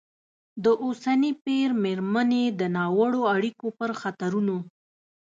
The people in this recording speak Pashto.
د اوسني پېر مېرمنې د ناوړه اړیکو پر خطرونو